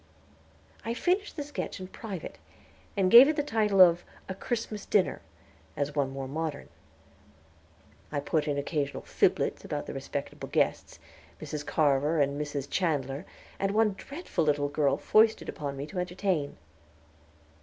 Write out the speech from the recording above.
I finished the sketch in private, and gave it the title of "A Christmas Dinner," as one more modern. I put in occasional "fiblets" about the respectable guests, Mrs. Carver and Mrs. Chandler, and one dreadful little girl foisted upon me to entertain.